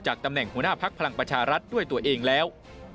ตำแหน่งหัวหน้าพักพลังประชารัฐด้วยตัวเองแล้ว